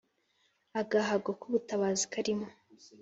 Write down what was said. agahago kubutabazi karimo